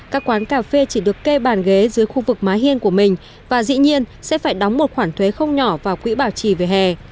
các quán cà phê chỉ được kê bàn ghế dưới khu vực má hiên của mình và dĩ nhiên sẽ phải đóng một khoản thuế không nhỏ vào quỹ bảo trì về hè